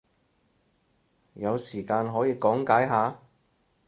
有時間可以講解下？